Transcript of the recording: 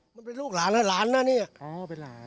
มันเป็นลูกหลานนะหลานนะเนี่ยอ๋อเป็นหลาน